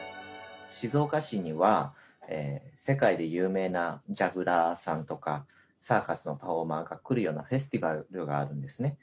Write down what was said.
静岡市には、世界で有名なジャグラーさんとか、サーカスのパフォーマーが来るようなフェスティバルがあるんです